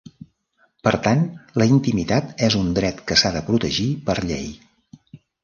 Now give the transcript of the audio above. Per tant la intimitat és un dret que s’ha de protegir per llei.